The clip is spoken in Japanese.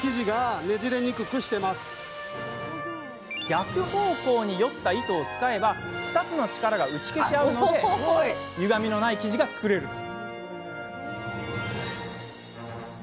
逆方向によった糸を使えば２つの力が打ち消し合うのでゆがみのない生地が作れるというのです。